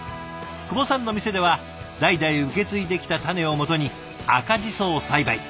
久保さんの店では代々受け継いできた種をもとに赤ジソを栽培。